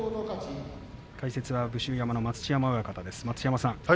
解説は武州山の待乳山親方です。